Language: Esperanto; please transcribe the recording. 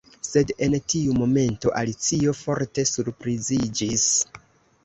Sed en tiu momento Alicio forte surpriziĝis.